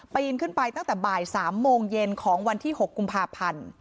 นขึ้นไปตั้งแต่บ่าย๓โมงเย็นของวันที่๖กุมภาพันธ์